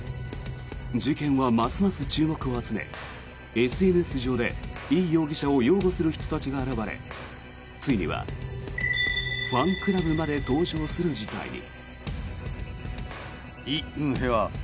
事件はますます注目を集めＳＮＳ上でイ容疑者を擁護する人たちが現れついにはファンクラブまで登場する事態に。